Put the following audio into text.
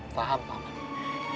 faham pak man